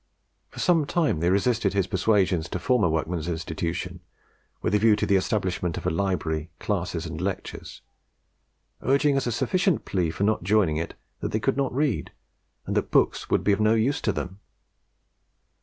For some time they resisted his persuasions to form a Workmen's Institution, with a view to the establishment of a library, classes, and lectures, urging as a sufficient plea for not joining it, that they could not read, and that books would be of no use to them.